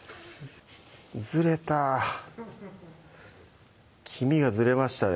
ずれた黄身がずれましたね